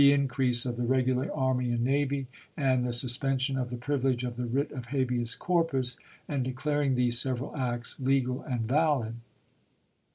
increase of the regular army and navy, and the suspension of the privilege of the writ of habeas corpus ; and declaring these several acts legal and valid.